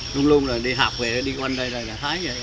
luôn luôn là đi học về đi quanh đây là nhà thái vậy